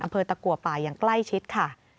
อำเภอตะกัวป่ายังใกล้ชิดค่ะ